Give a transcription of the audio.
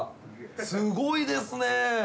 すごいですね。